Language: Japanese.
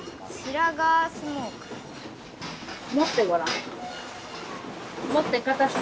持ってごらん。